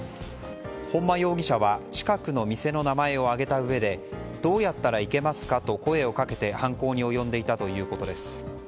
本間容疑者は近くの店の名前を挙げたうえでどうやったら行けますかと声をかけて犯行に及んでいたということです。